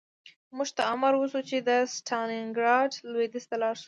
موږ ته امر وشو چې د ستالینګراډ لویدیځ ته لاړ شو